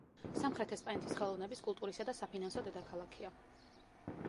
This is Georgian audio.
სამხრეთ ესპანეთის ხელოვნების, კულტურისა და საფინანსო დედაქალაქია.